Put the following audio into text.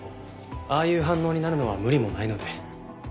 ああいう反応になるのは無理もないので。